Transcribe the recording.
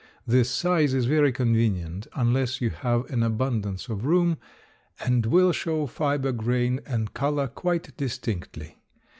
This size is very convenient, unless you have an abundance of room, and will show fibre, grain, and color quite distinctly.